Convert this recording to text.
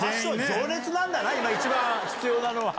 情熱なんだな今一番必要なのは。ＯＫ！